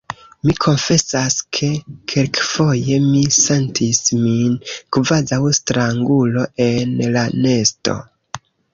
Mi konfesas, ke kelkafoje mi sentis min kvazaŭ strangulo en la nesto.